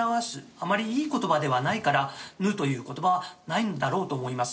あまりいい言葉ではないから「ぬ」という言葉はないんだろうと思います。